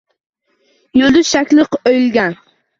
Yulduz shakli oʼyilgan.